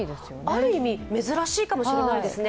ある意味、珍しいかもしれないですね。